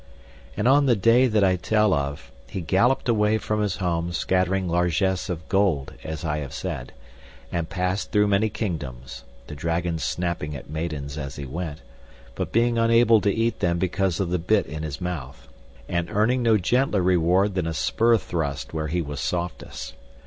And on the day that I tell of he galloped away from his home scattering largesse of gold, as I have said, and passed through many kingdoms, the dragon snapping at maidens as he went, but being unable to eat them because of the bit in his mouth, and earning no gentler reward than a spurthrust where he was softest.